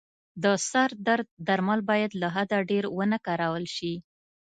د سردرد ضد درمل باید له حده ډېر و نه کارول شي.